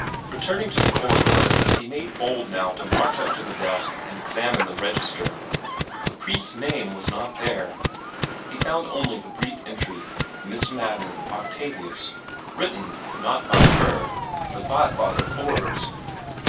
Returning to the corridor, he made bold now to march up to the desk and examine the register. The priest's name was not there. He found only the brief entry, "Miss Madden, Octavius," written, not by her, but by Father Forbes.